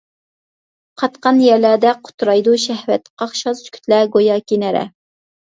قاتقان يەرلەردە قۇترايدۇ شەھۋەت قاقشال سۈكۈتلەر گوياكى نەرە.